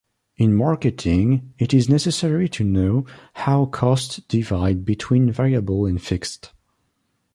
In marketing, it is necessary to know how costs divide between variable and fixed.